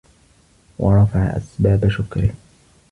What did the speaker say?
وَرَفَعَ أَسْبَابَ شُكْرِهِ